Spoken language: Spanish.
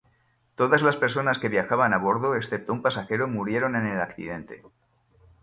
Todas las personas que viajaban a bordo, excepto un pasajero, murieron en el accidente.